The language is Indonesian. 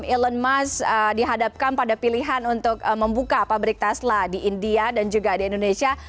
elon musk dihadapkan pada pilihan untuk membuka pabrik tesla di india dan juga di indonesia